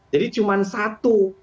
jadi cuma satu